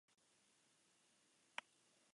Delitua egiten duenari kalumniatzaile diote.